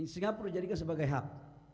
singapura dijadikan sebagai hub